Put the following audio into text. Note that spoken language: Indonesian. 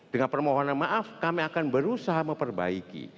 dengan permohonan maaf kami akan berusaha memperbaiki